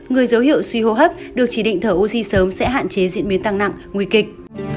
người dấu hiệu suy hô hấp được chỉ định thở oxy sớm sẽ hạn chế diễn biến tăng nặng nguy kịch